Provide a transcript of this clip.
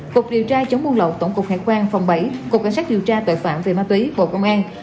cục điều tra chống buôn lậu tổng cục hải quan phòng bảy cục cảnh sát điều tra tội phạm về ma túy bộ công an